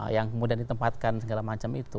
yang kemudian ditempatkan segala macam itu